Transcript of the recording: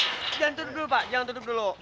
kita tutup dulu pak jangan tutup dulu